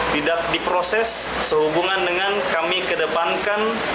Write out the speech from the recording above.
tidak diproses sehubungan dengan kami kedepankan